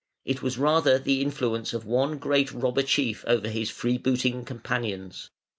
It was rather the influence of one great robber chief over his freebooting companions.